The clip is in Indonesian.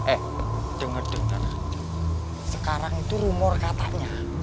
eh denger denger sekarang itu rumor katanya